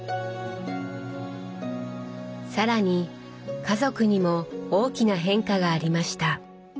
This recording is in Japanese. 更に家族にも大きな変化がありました。